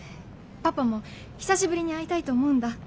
パパも久しぶりに会いたいと思うんだ。